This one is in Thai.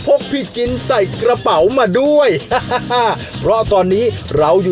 ส่วนพี่ไอฮ์จริงไม่ได้กล้าจะพาอาสอนเผ็ดมาเลย